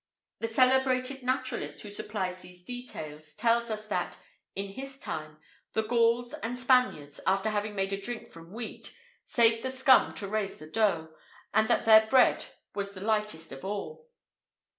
The celebrated naturalist who supplies these details, tells us that, in his time, the Gauls and Spaniards, after having made a drink from wheat, saved the scum to raise the dough, and that their bread was the lightest of all.